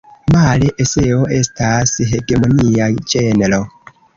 Male eseo estas hegemonia ĝenro.